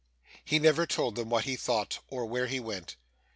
He never told them what he thought, or where he went.